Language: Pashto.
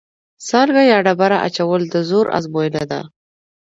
سانګه یا ډبره اچول د زور ازموینه ده.